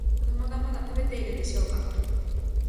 子供がまだ食べてるでしょうが。